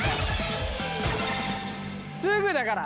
すぐだから！